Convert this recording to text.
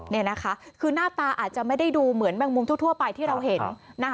นี่นะคะคือหน้าตาอาจจะไม่ได้ดูเหมือนแมงมุมทั่วไปที่เราเห็นนะคะ